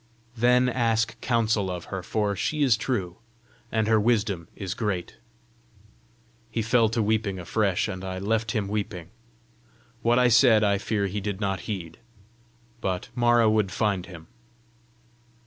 Then ask counsel of her, for she is true, and her wisdom is great." He fell to weeping afresh, and I left him weeping. What I said, I fear he did not heed. But Mara would find him!